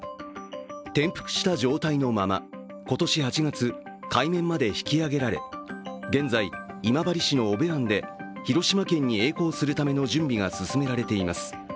転覆した状態のまま、今年８月海面まで引き揚げられ現在、今治市の小部湾で広島県にえい航するための準備が進められています。